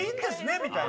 みたいな。